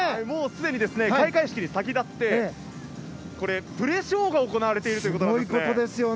もうすでに開会式に先立ってこれ、プレショーが行われているということです。